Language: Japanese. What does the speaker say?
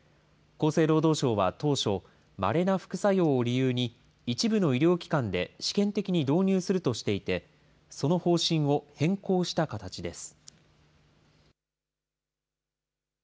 厚生労働省は当初、まれな副作用を理由に、一部の医療機関で試験的に導入するとしていて、その方針を変更した形です。